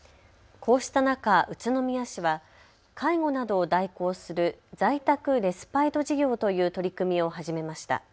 こうした中、宇都宮市は介護などを代行する在宅レスパイト事業という取り組みを始めました。